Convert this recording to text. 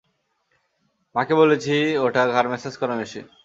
মাকে বলেছি ওটা ঘাড় ম্যাসাজ করার মেশিন।